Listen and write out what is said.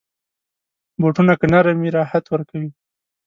بوټونه که نرم وي، راحت ورکوي.